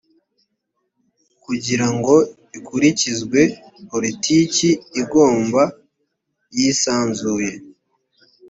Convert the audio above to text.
kugira ngo ikurikizwe politiki igomba yisanzuye